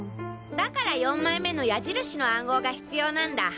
だから４枚目の矢印の暗号が必要なんだ！